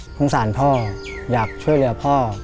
สงสารพ่ออยากช่วยเหลือพ่อ